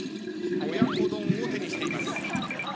親子丼を手にしています。